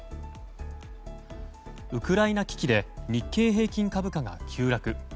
ウクライナ危機で日経平均株価が急落。